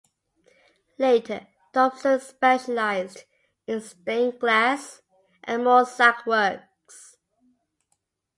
Later Dobson specialised in stained glass and mosaic works.